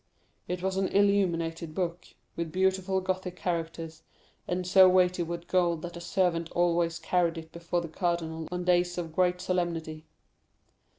It was an illuminated book, with beautiful Gothic characters, and so weighty with gold, that a servant always carried it before the cardinal on days of great solemnity.